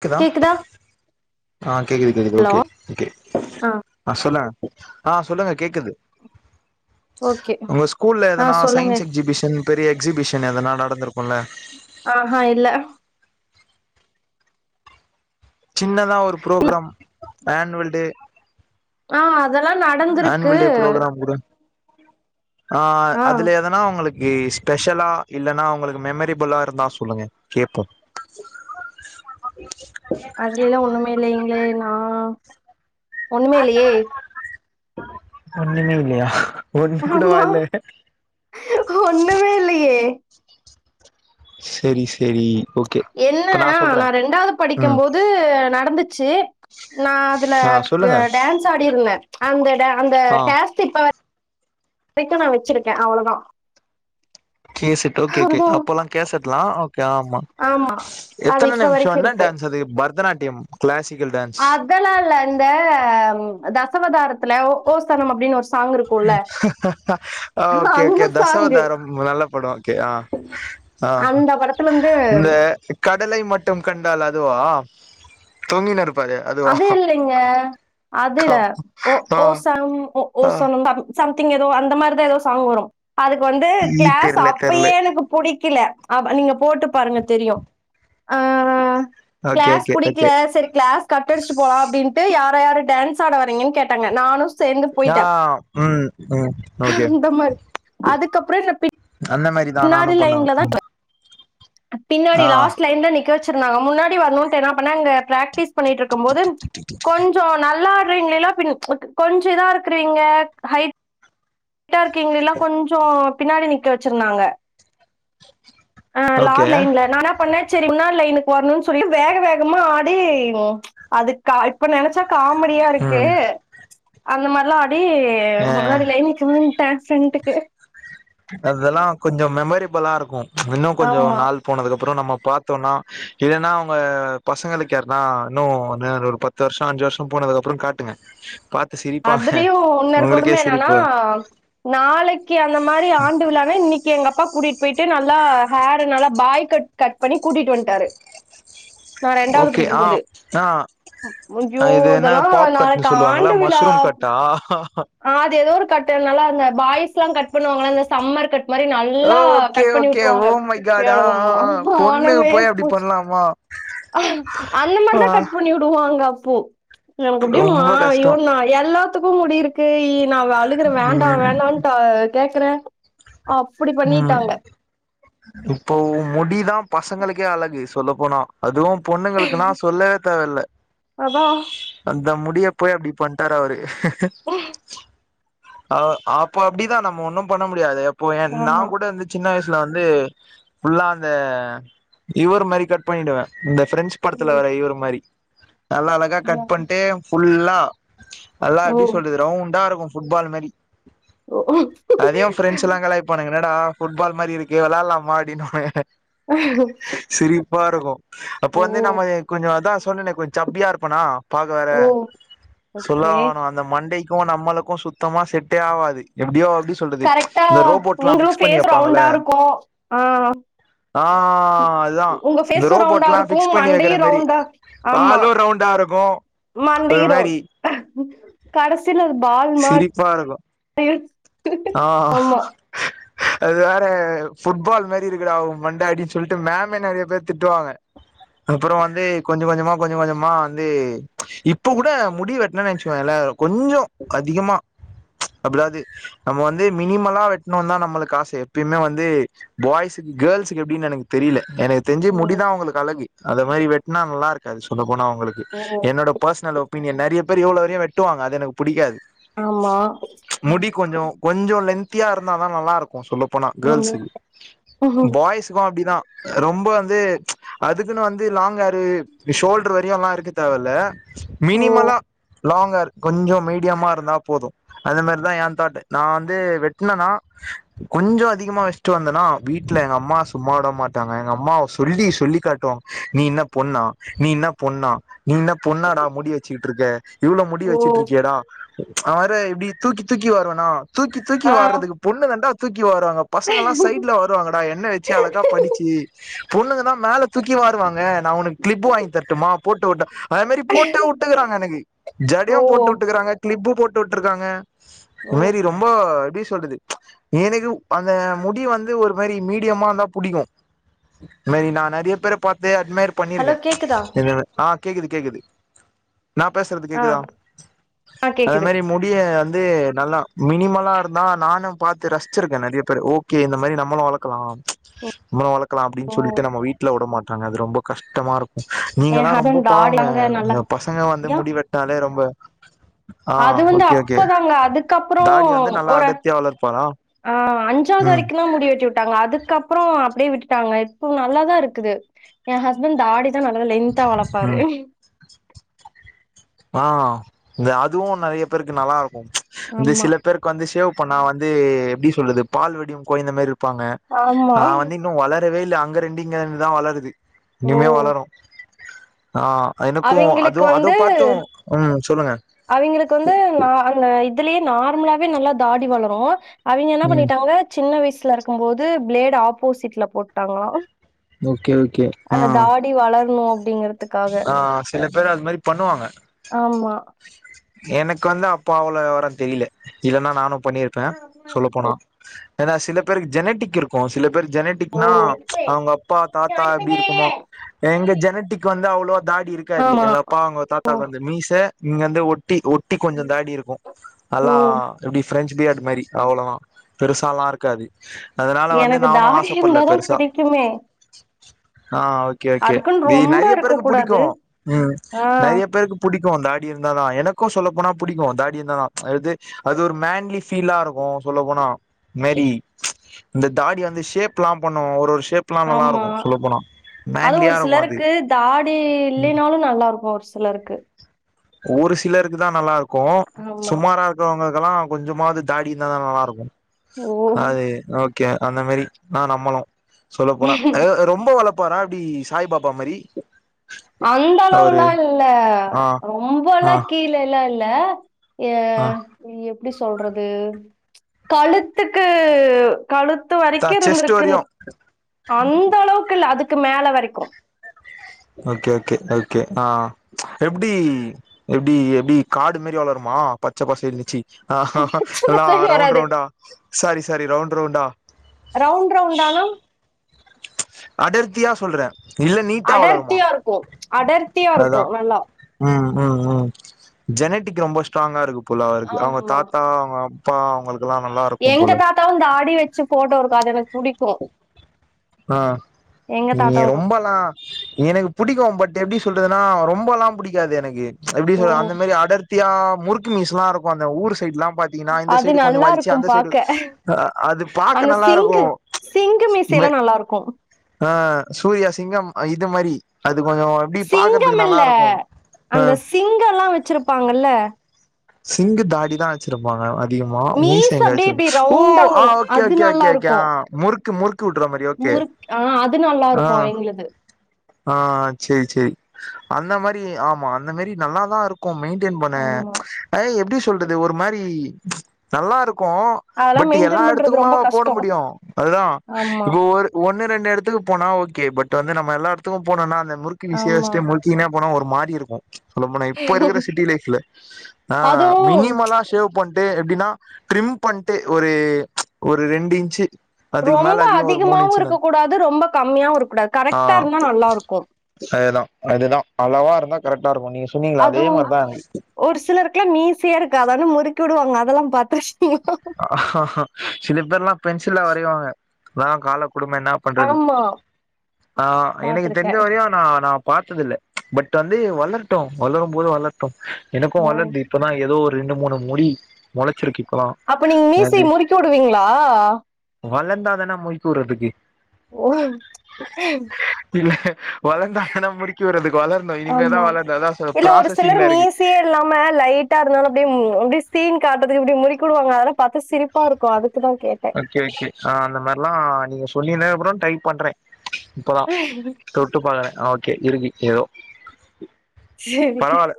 க்குதா கேக்குதா ஆஹ் கேக்குது கேக்குது ஹலோ ஓகே ஓகே ஆ ஆஹ் சொல்லுங்க ஆஹ் சொல்லுங்க கேக்குது ஓகே உங்க ஸ்கூல்ல ஆ எதனா சொல்லுங்க சயின்ஸ் எக்ஸ்ஜிபிஷன் பெரிய எக்ஸிபிஷன் எதனா நடந்திருக்குல ஆஹ்ஹா இல்ல சின்னதா ஒரு இல்ல. பு்ரோக்ராம் ஆன்வல் டே ஆஹ் அதெல்லா நடந்திருக்கு ஆஹ் ஆ அதுல எதனா ஒங்களுக் கு ஸ்பெஷலா இல்லனா உங்களுக்கு மெமரி புலா இருந்தா சொல்லுங்க கேப்போ அதுலைலா ஒன்னுமே இல்ல எங்களை நா ஒன்னுமே இல்லயே ஒன்னுமே இல்லயா ஆமா ஒன்னுமே இல்லியே செரி செரி ஓகே இப்ப என்னனா சொல்றே நா ரெண்டாவது படிக்கு ம் போது நடந்துச்சு நா அதுல ஆ க சொல்லுங்க டான்ஸ் ஆடிருந்தே அங்க ந்த அங்க ஆ [unintelligible] க்கும் நா வச்சிருக்கே அவ்ளோதா கேஸட்டு ஓகே ஓகே அதுதா அப்பல்லா கேஸட்டு தா ஓகே ஆமா ஆமா அது எத்தன இப்ப நிமிஷ் வரைக்கு வேணா டான்ஸ் அது பரதநாட் எம் கிளாஸ் அதெல்லால்ல இந்த த [unintelligible] தாரத்துல ஓ ஓ ஸ்தனம் அப்டின்னு சாங் இருக்குல்ல ஓகே அந்த ஓகே சாங்கு தசவதாரம் நல்ல படம் ஓகே ஆ ஆ அந்த படத்துல இருந்து இந்த கடலை மட்டும் கண் அதுவா தொங்க அது இல்லைங்க அதுல்ல ஓ ஆ ஓ சம் ஓ ஆ சனம் சம்திங் எதோ அந்த மாரிதா எதோ சாங் வரு அதுக்கு வந்து ஈ கிளாஸ் தெர்ல தெர்ல அப்பயே எனக்கு புடி கில ஆ நீங்க போட்டு பாருங்க தெரியு ஆ ஓகே கிளாஸ் ஓகே ஓகே புடிக்கல சரி கிளாஸ் கட்டடிச்சுட்டு போலா அப்டின்ட்டு யார யார் டான்ஸ்ஸாட வரீங்கன் கேட்டாங்க நானு சேந்து ஆ போயிட்டே ம் ம் ஓகே அந்த மாரி அதுக்கப்ற இந்த பி அந்த மேரிதா நானு பண்ணுவே பின்னாடி ஆ லாஸ்ட் லைன் ல நிக்க வச்சி நா முன்னாடி வரணுன்ட்டு என்ன பண்ண அங்க பிராக்டிஸ் பண்ணிட்ருக்கும் போது கொஞ்சோ நல்லா [unintelligible] கொஞ்சோ இதாருக்கீங்க ஹை ட் டா இருக்கீங்கலா கொஞ்சோ பின்னாடி நிக் நிக்க வச்சிருந்தாங்க ஆ ஓகே லாட் லைன்ல நா பண்ண சரி முன்னா லைனுக்கு வர்னுன் சொல்லிடு வேக வேகமா ஆடி அதுக்கா இப்ப நென ச்சா காமெடியாருக்கு ம் அந்த மார்லா ஆ டி ஆ முன்னாடி லைன் நிக்க வந்ட்ட ஃப்ரெண்ட்டுக்கு அதெல்லா கொஞ்சோ மெமரிபளாருக்கு இன்னு கொஞ்சோ ஆமா நாள் போனதுக்கு அப்புறோ நம்ம பாத்தோன்னா இல்லீன்னா அவுங்க பசங்களுக்கு யார்னா இன்னு ஒன்யர் ஒரு பத்து வர்ஷோ அஞ்சு வர்ஷோ போனதுக்கப்புறங் காட்டுங்க பா அதுலியு இன்னொரு கொடும என்னனா வரு நாளைக்கி அந்த மாரி ஆண்டுவிழானா இன்னிக்கி எங்க அப்பா கூட்டிட் போயிட்டு நல்லா ஹேர நல்லா பாய் கட் கட் பண்ணி கூட்டிட்டு வந்ட்டாரு நா ரெண்டாவ்து ஓகே ஆ படிக்கும்போது ஆ ஐயோ இது என்ன அதல்லா பாப் கட்ன்னு நாளைக் சொல்லுவாங்களா ஆண்டு வி மஷ்ரூம் லாவ் கட்டா அ அது எதோ ஒரு கட்டு நல்லா இந்த பாய்ஸ்லா கட் பண்ணுவாங்கள இந்த சம்மர் கட் இந்மாரி நல்லா ஓகே கட் பண்ணி ஓகே ஓ உட்ருவாங்க மை காட் ஆ எனக்கும் ஆ பொண்ணு மானமே போய் அப்டி போச்சு பண்லாமா அந்த ஆ மாரிதா கட் பண்ணி உடுவாங்க போ நமக்கு அப்டே மா ரொம்ப கஷ்டோ அய்யோ எல்லாத்துக்கு முடி இருக்கு இ நா வ அழுகுற வேண்டா ம் வேண்டாண்ட்டு அ கேக்கறே ம் இப்போ உ முடிதா பசங்களுக்கே அழகு சொல்ல போனா அதுவு பொண்ணுங்களுக்குனா சொல்லவே தேவல்ல அதா அ த முடிய போய் அப்டி பண்டாரு அவரு ஆஹ் அஹ் ஆப்போ அப்டிதா நம்ம ஒண்ணு பண்ண முடியாது எப் போ எ ஆமா நாங் கூட அந்த சின்ன வய்ஸ் ல வந்து ஃபுல்லா அந்த இவர் மாரி கட் பண்ணிடுவே இந்த பிரெஞ்ச் படத்துல ம் வர இவர் மாரி நல்லா அழகா யா கட் பண்ட்டு ஃபுல் லா அல்லா ஓ எப்டி சொல்றது ரவுண்டா இருக்கு உப்பால் மாரி ஓ அதையு ஃப்ரெண்ட்ஸ்ஸெல்லா கலாய்ப்பானுக என்னடா புட்பால் மாரி இருக்கு வெளாட்லாமா அப்டினுவாக பாருக்கு அப்பொ வந்து ஓ நம்ம கொஞ்சொ அதா சொன்னனே கொஞ் ஜப்பியா இருப்பனா பாக்க வேற ஓ ஓகே சொல்லவா வேணு அந்த மண்டைக் கு நம்மளுக்கு சுத் த்தமா செட்டே ஆவாது எப்டியோ எப்டி சொல்றது கரெக்டா இந்த ரோபோட்லா நீங்களு ஃபிக்ஸ் பண்ணி பேஸ் வெப்பாங்கல்ல ரவுண்டாருக்கு ஆஹ் ஆஹ் அதுதா இந்த ரவுண்டா ரோபோட்ல்லா இருக்கு ஃபிக்ஸ் பண்ணி வக்கிற மண்டையு மாரி ரவுண்டா ஆலு ரவுண்டா இருக்கு ஒரு மண்டையிரோ மாரி கடைசில அது பால் மாரி சிரிப்பா இருக்கு இருக்கு ஆஹ் ஆமா அது வேற ஃபுட்பால் மாரி இருக்குடா உ மண்டே அப்டின் சொல்ட்டு மேமே நெறைய பேர் திட்டுவாங்க அப்புறொ வந்து கொஞ்ச கொஞ்சமா கொஞ்ச கொஞ்சமா வந்து இப்ப கூட முடி வெட்னனு நினச்சுகோங்கலே கொஞ்சொ அதிகமா அப்லாது நம்ம வந்து மினிமலா வெட்ணுன்தா நம்மளுக்கு ஆசை எப்பயுமே வந்து பாய்ஸுக்கு கேர்ள்ஸுக்கு எப்டின்னு எனக்கு தெரியல எனக்கு தெரிஞ்சு ம் முடிதா உங்களுக்கு அழகு அத மாரி வெட்னா நல்லாருக்காது சொல்ல போனா உங்களுக்கு ஓ என்னோட பர்ஸ்னல் ஒப்பினியன் நெறைய பேர் இவ்ளோ வரையு வெட் டுவாங்க அது எனக்கு புடிக்காது ஆமா முடி கொஞ்சொ கொஞ்சொ லென்த் த்தியா இருந்தாதா நல்லாருக் கு சொல்ல போனா ஆமா கேர்ள்ஸு ம்ஹ்ம். பாய்ஸ்கு அப்டிதா ரொம்ப வந்து அதுக்குன்னு வந்து லாங் ஹேரு வி ஷோல்டர் வரையுலா இருக்க தேவல்ல ஓ மினிமலா லாங் ஃகேர் கொஞ்சொ மீடியமா இருந்தா போது அதே மாரிதா ஏ தாட்டு நா வந்து வெட்னனா கொஞ்சொ அதிகமா வச்சிட்டு வந்தனா வீட்ல எங்க அம்மா சும்மா விட மாட்டாங்க எங்க அம்மா சொல்லி சொல்லி காட்டுவாங் நீ என்ன பொண்ணா நீ என்ன பொண்ணா நீ என்ன பொண்ணாடா முடி வச்சிகிட் ட்ருக்க இவ்வளொ முடி ஓ வச்சிட்ருக்கெயேடா ஆ வேற இப்டி தூக்கி தூக்கி வருவேனா தூக்கி தூக்கி ஆ வார்றதுக்கு பொண்ணுதாண்டா க்கி வருவாங்க பசங்கலா சைட்ல வருவாங்கடா எண்ணெ வச்சி அழகா படிச்சி பொண்ணுங்க தா மேல தூக்கி வாருவாங்க நா உனக் க்ளிபு வாங்கி தரட்டுமா போட்டு விட்டு அதே மாரி போட்டே உட்டுக்குறாங்க எனக்கு ஓ ஜடயு போட்டு விட்டுக்குறாங்க ளிப்பு போட்டு விட்ருக்காங்க ஓ [unintelligible] ரொம்ப எப்டி சொல்றது எனக்கு அந்த முடி வந்து ஒரு மாரி மீடியமா இருந்தா புடிக்கு இந்த [unintelligible] நா நெறைய பேர பாத்தே இந்த மாரி ஹலோ பண்ணிருக்கேன் கேக்குதா என்னது ஆ கேக்குது கேக்குது நா பேசறது ஆ கேக்குதா ஆ அது கேக்குது மாரி முடிய [unintelligible] வந்து நல்லா மினிமலா இருந்தா நானு பாத்து ரசிச்சிருக்கே நறைய பேரு ஓகே இந்த மாரி நம்மளு வளக்கலா நம்மளு வளக் கலா அப்டின்னு சொல்லிட்டு நம்ம வீட்ல உடமாட் டாங்க அது ரொம்ப கஷ்டமா இருக் எ நீங்கலா ரொம்ப ஹஸ்பண்ட் டாடி அங்க நல்லா பாவங்க பசங்க வந்து யா முடி வெட்னாலே ரொம்ப ஆ அது வந்து ஓகே ஓகே அப்பதாங்க அதுக்கப்புறொ தாடி ஓ வந்து நல்லா ஒரு அடர்த்தியா வளர்ப்பாரா ஆ அஞ்சாவது ம் வரைக்குந்தா முடி வெட்டி விட்டாங்க அதுக்கு கப்புறோம் அப்டியே விட்டுட்டாங்க இப்பொ நல்லா தா இருக்குது எ ஹஸ்பண்ட் தாடி தா நல் ல லென்தா வளப்பாரு ம் ஆ இந்த அதுவு நெறைய பேருக்கு நல்லா ம் இந்த ஆமா சில பேர்க்கு வந்து ஷேவ் பன்னா வந்து எப்படி சொல்றது பால் வடியு கொழந்த மாரிருப் பாங்க ஆமா ஆ வந்து இன்னு வள இந்த வேயில்ல அங்க ரெண்டு இங்க ரெண்டுதா வளருது ஓ இனிமே வளரும் ஆ எனக்கும் அவிங்களுக்கு அதுவு அத வந்து பாத் சோம் ம் சொல்லுங்க அவிங்களுக்கு வந்து நா அந்த இ இதுலயே நார்மலாவே நல்லா தாடி வளரும் அவிங்க என்ன ம் பண்ணிட்டாங்க ஜின்ன வயிஸ்சு ஸ்ல இருக்கம் போது ப்ளேட ஆப்போசிட்ல போட்டாங்ளா ஓகே ஓகே ஆ அந்த தாடி வளர்ணு அப்டீங்கிற ஆ சில பேர் அந்த மாரி பண்ணுவாங்க ஆமா எனக்கு வந்து அப்பா அவ்ளோ விவரொ தெரில இல்லன்னா நானு பண்ணியிருப்ப சொல்லப் போனா ஏனா சில பேருக்கு ஜெனட்டிக் இருக்கு சில பேர் ஜெனட்டிக்னா அவ்ங்க அப்பா தாத்தா எப்டி இருக்குமோ எங்க ஜெ னடிக் வந்து அவ் ளோ தாடி இருக்காது ஆமா எங்கப்பா அவங்க தாத்தாக் வந்து மீச இங்கர்ந்து ஒட் டி ஒட்டி கொஞ்ச தா டி இருக்கு ஓ அல்லா எப்டி ப்ரெஞ்ச் பியர்டு மாரி அவ்ளோ தா பெருசால்லா இருக்காது அதனால வந்து எனக்கு நானு தாடி ஆசப்பட்ல இருந்தாதா பெருசா புடிக்குமே ஆஹ் ஓகே ஓகே அதுக்குன்னு டி ரொம்ப நெறைய இருக்க பேருக்கு புடிக்கு கூடாது உம் ஆ நெறைய பேருக்கு புடிக்கு தாடி இருந்தாதா எனக் கு சொல்ல போனா புடிக்கு தாடி இருந்தாதா அது அது ஒரு மேன்லி ஃபிலாருக்கு சொல்ல போனா மாரி இந்த தாடி வந்து ஷேப்பெல்லா பண்ணுவோ ஒரு ஒரு ஷே ஆமா அது மேன்லியா ஒரு இருக்கு அது சிலருக்கு தாடி இல்லினாலு நல்லாருக்கு சிலருக்கு ஒரு சிலருக்கு தா நல்லாருக்கு ஆமா சுமாரா இருக்கறவங்கள்க்கெல்லா கொஞ்சமாது தாடி இர்ந்தா தா நல்லாருக்கு ஓ அது ஓக் கே அந்த மாரி நா நம்மனு சொல்ல போனா அய்யோ எ ரொம்ப வள ப்பாரா அப்டி சாய் பாபா மாரி அவரு அந்தளவுல்லா இல்ல ஆ ரொம் பல்லா ஆ கீழல்லா இல்ல ய ஆ எப் டி சொல்றது கழுத்துக்கு கழுத்து த வரைக்கு செஸ்ட் இருந்திருக்குங் வரையு அந்தளவுக்கு இல்ல அதுக்கு மேல வரைக்கு ஓகே ஓகே ஓகே ஆ எப்டி எப்டி எப்டி காடு மாரி வளருமா பச்ச பசேல்னு ச்சி எல்லா வரைக்கு ரவுண்ட் வராது ரவுண்டா சாரி சாரி ரவுண்ட் ரவுண்டா ரவுண்ட் ரவுண்டானா அடர்த்தியா சொல்ற அடர்த்தியா இருக்கு அடர்த்தியா அதா இருக்கு நல்லா ம் ம் ஜெனட்டிக் ரொம்ப ஸ்ட்ராங்கா இருக்கு போலா இருக்கு அவங்க ஆமா தாத்தா அவங்கப் பா அவங்களுக் எங்க தாத்தாவு தாடி வெச்சு ஃபோட்டோ இருக்கு அது எனக் புடிக் கு ஆ நீ ரொம்பல்லா எனக் புடிக்கு பட் எப்டி சொல் றதுனா ரொம்பல்லா புடிக்காது எனக்கு எப்டி ஓ சொல்ற அந்த மாரி அடர் த்தியா முறுக்கு மீசலா இருக்கு அந்த ஊரு சைட்லா பாத்தீங்கன்னா இந்த அது சைடு கொஞ்சோ வலிச்சு நல்லாருக்கு அந்த சைடு பாக்க அ அது பாக்க அந்த நல்லா இருக்கு சிங்கு சிங்கு மீச மே எல்லா நல்லா இருக்கு ஆ சூர்யா சிங்கம் அ இது மாரி அ சிங்கம் இல்ல ஆ அந்த சிங்கல்லா வச்சிருப்பாங்கல்ல சிங்கு தாடி தா வச்சிருப்பாங்க அ திகமா மீச மீஸ் எங்க அப்படியே வச்சி இப்படி ஓ ரவுண்டா ஆ வரும் ஓகே அது ஓகே நல்லா ஓகே ஓகே ஆ இருக்கும் முறுக் க முறுக் கூட்ற மரி ஓகே ஆ அது ஆ நல்லாருக்கும் எங்ளுது ஆ சேரி சேரி அந்த மாரி ஆம்மா அந்த மேரி நல்லாதான்ருக் கும் மெயின்டென் பண்ண ஆமா அயி எப்டிஷ் தொல்டது ஒரு மாரி நல்லாருக் கோம் அதெல்லாம் பட் எல்லா மெயின்டைன் பண்றது எடத்துக்குமா ரொம்ப போட கஷ்டம் முடியும் அதா ஆமா இவ் ஒரு ஒன்னு ரெண்டு எடத்துக்கு போனா ஓகே பட் வந்து நம்ம எல்லா எடத்துக்கும் போனோனா அந்த முறுக்கு மீசிய ஆமா வஷ்டு முள்க்கினே போனா ஒரு மாரி இருக்கும் சொல்ல போனா இப்ப இருக்குற சிட்டி லைப்ல ஆ அதுவும் மினிமலா ஷேவ் பண் டு எப்டின்னா ட்ரிம் பண்ட்டு ஒரு ஒரு ரெண்டு இன்ச்ஜி ரொம்ப அதிகமாவும் ருக் போகூடாது ரொம்ப கம்மியாவும்ருக் கூடாது ஆ கரெக்டா இருந்தா நல்லாருக்கும் அப்ந்தா கரட்டாருக்கும் நீ அதுவு ஒரு சிலருக்லா மீசையே இருக்காது ஆனா முறுக் கி உடுவாங்க அதல்லாம் பாத்தா சில பேர்லா பென்ச் சில்ல வரைவாங்க நா கால கொடும என்னா பண்றது ஆமா, ஆ எனக்கு தெரிஞ்ச பார்த்துருக்கேன். வரையு நா நா பாத்ததில்ல பட் வந்து வளர்ட்டு வளரும் போது வளர்ட்டு எனக்கு ஓ! வளர்து இப்பதா ஏதோ ஒ ரெண்டு மூணு முடி மொளச்சிருக்கு இப்பதா அப்ப நீங் மீசைய அது முறுக்கி உடுவீங்ளா வளந்தாதான முற்க்கி உர்றதுக்கு ஓ! வளந்தா தான முறுக்கி உர்றதுக்கு வளர்னு இனிமேதா ஆமா. வளர்னு அதா சோ இல்ல ஒரு சிலர் ப்ராசஸிங்ல இருக்கு மீசையே இல்லாம லைட்டா இருந்தாலும் அப்படியே ம், அப்படியே சீன் காட்டதுக் இப்டி முறிக்குடுவாங்க அதெலா பாத்தா சிரிப்பாருக்கு அதுக் ஓகே ஓகே ஆ அந்த மார்லா நீங்க சொல்லினு அப்ற ட்ரை பண்றே இப்பதா தொட்டு பாக்கற ஓகே இருக்கு ஏதோ சரி. பரவால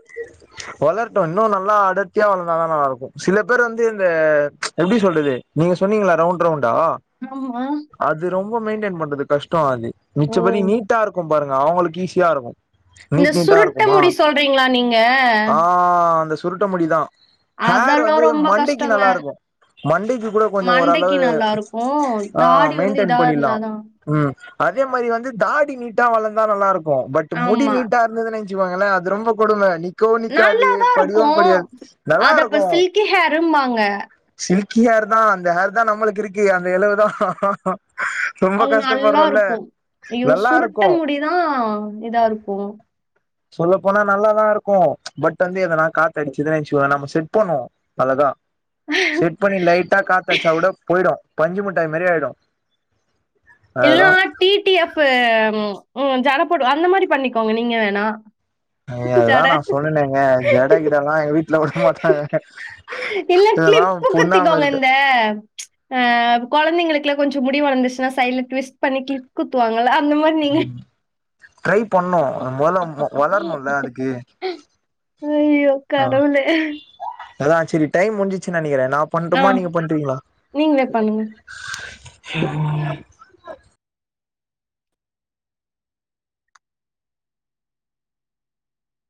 வளரட்டும் இன்னும் நல்லா அடத்தியா வளர்ந்தாதான் நல்லா இருக்கும் சில பேர் வந்து இந்த எப்படி சொல்றது நீங்க சொன்னீங்களே ரவுண்ட் ரவுண்ட் இந்தோ ஆமா. அது ரொம்ப மெயின்டென் பண்றது கஷ்டம் ஆகுது ஓ! மிச்சபடி நீட்டா இருக்கும் பாருங்க அவங்களுக்கு ஈஸியா இருக்கும் இந்த சுருட்ட முடி சொல் வர்றீங்களா நீங்க ஆ அந்த சுருட்ட முடி தான் ஹேர் வந்து அதெல்லாம் ரொம்ப மண்டேக்கு கஷ்டங்க. நல்லா இருக்கும் மண்டேக்கு கூட கொஞ்சம் மண்டைக்கு ஓரளவு நல்லா இருக்கும். ஆஹ் தாடி வந்து மெயின்டென் இதா பண்ணிடலாம் இருந்தாதான் உம் அதே மாதிரி வந்து தாடி நீட்டா வளர்ந்தா நல்லா இருக்கும் பட் முடி ஆமா. நீட்டா இருந்தது இவுங்கெல்லா அது இது ரொம்ப கொடுமை அண்ணி நல்லாதான் இருக்கும் நல்லா அத இப்ப இருக்கு சில்கி ஹேரும்பாங்க சில்கி ஹேர் தான் அந்த ஹேர் தான் நம்மளுக்கு இருக்கு அந்த இழவு தான் அது நல்லா இருக்கு ஐயோ நல்லா சுருட்ட இருக்கு முடிதா இதாருக்கு சொல்லப் போனா நல்லாதா இருக்கு பட் வந்து எதனா காத் அடிச்இதாயிற்சிவ நம்ம செட் பண்வோ அழகா செட் பண்ணி லைட்டா காத்தச்சா கூட பொய்டு பஞ்சு மூட்டாய் மெரி ஆய்டு ல்லா டிடிஎஃப்ஃபு ம் ஜடப்போடு அந்த மாரி பண்ணிக்கோங்க நீங்க வேணா இ அதுதா ஜட. நா சொன்னனேங்க ஜட கிடலா எங் வீட்ல உட மாட்டாங்க இல்ல இதல்லாவு கிளிப்பு பொண்ணா குத்திக்கோங்க. மாரிட்ட இந்த க்ல கொஞ்சு முடிவு வளந்துச்சுனா சைட்ல விஸ்ட் பண்ணி க்ளிப் குத்துவாங்கள்ளா அப் உம் ட்ரை பண்ணு மு வளரணும்ல அதுக்கு ஐயோ ஆஹ் கடவுளே! அதா செரி டைம் முஞ்சச்சுருச்சுனு நெனைக்கிற நா ஆ. பண்ணடுமா நீங்க பண்றீங்களா நீங்களே பண்ணுங்க. சரிவ